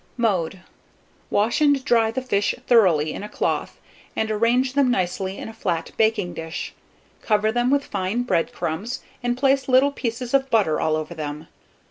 Mode. Wash, and dry the fish thoroughly in a cloth, and arrange them nicely in a flat baking dish. Cover them with fine bread crumbs, and place little pieces of butter all over them.